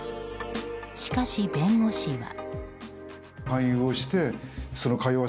しかし、弁護士は。